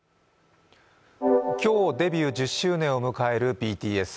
今日、デビュー１０周年を迎えるＢＴＳ。